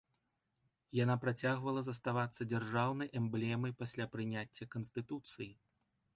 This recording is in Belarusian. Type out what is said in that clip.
Яна працягвала заставацца дзяржаўнай эмблемай пасля прыняцця канстытуцыі.